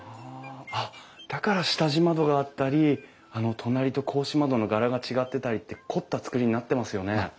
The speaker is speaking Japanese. あっだから下地窓があったり隣と格子窓の柄が違ってたりって凝った造りになってますよね。